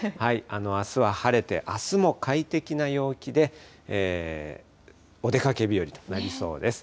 あすは晴れて、あすも快適な陽気で、お出かけ日和となりそうです。